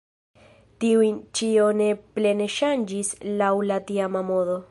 Tiujn ĉi oni plene ŝanĝis laŭ la tiama modo.